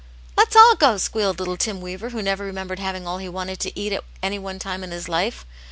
*' Let's all go," squealed little Tim Weaver, who never remembered having all he wanted to eat at any one time in his life.